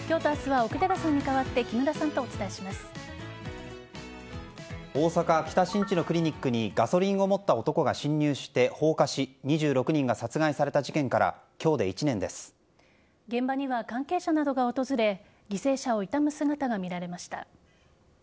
大阪・北新地のクリニックにガソリンを持った男が侵入して放火し２６人が殺害された事件から現場には関係者などが訪れ犠牲者を悼む姿が見られました。